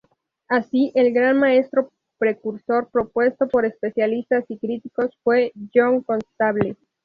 Así, el gran maestro precursor propuesto por especialistas y críticos fue John Constable.